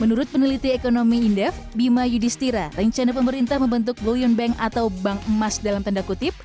menurut peneliti ekonomi indef bima yudhistira rencana pemerintah membentuk bullion bank atau bank emas dalam tanda kutip